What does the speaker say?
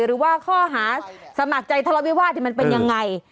หรือว่าข้อหาสมัครใจทะเลาวิวาสมันเป็นยังไง